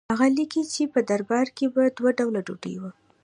هغه لیکي چې په دربار کې دوه ډوله ډوډۍ وه.